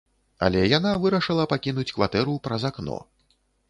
Але яна вырашыла пакінуць кватэру праз акно.